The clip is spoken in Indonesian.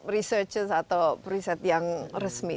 researches atau preset yang resmi